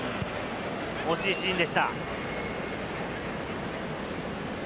惜しいシーンでした。